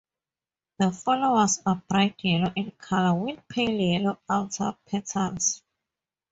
The flowers are bright yellow in color with pale yellow outer petals.